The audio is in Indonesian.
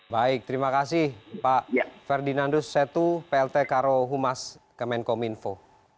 baik terima kasih pak ferdinandus setu plt karo humas kemenkominfo